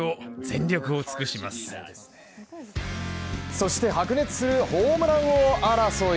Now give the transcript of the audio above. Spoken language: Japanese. そして、白熱するホームラン王争い。